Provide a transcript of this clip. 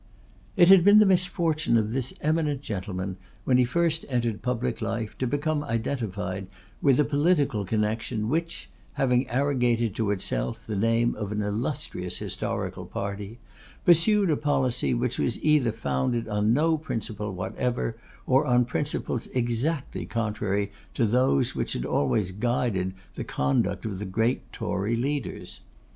It had been the misfortune of this eminent gentleman when he first entered public life, to become identified with a political connection which, having arrogated to itself the name of an illustrious historical party, pursued a policy which was either founded on no principle whatever, or on principles exactly contrary to those which had always guided the conduct of the great Tory leaders.